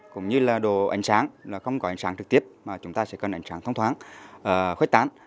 cũng như là đồ ảnh sáng không có ảnh sáng trực tiếp mà chúng ta sẽ cần ảnh sáng thông thoáng khuếch tán